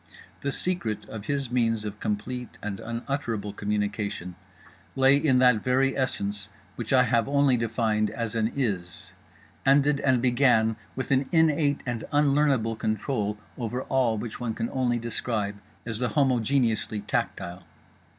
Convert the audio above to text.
The secret of his means of complete and unutterable communication lay in that very essence which I have only defined as an IS; ended and began with an innate and unlearnable control over all which one can only describe as the homogeneously tactile.